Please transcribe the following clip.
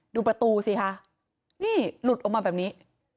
ดูประตูสิคะนี่หลุดออกมาแบบนี้